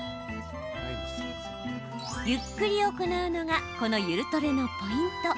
ゆっくり行うのがこの、ゆるトレのポイント。